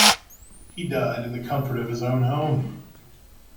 He died in the comfort of his own home.